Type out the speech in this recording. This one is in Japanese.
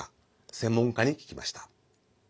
専門家に聞きました。